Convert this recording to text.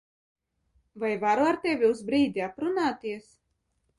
Vai varu ar tevi uz brīdi aprunāties?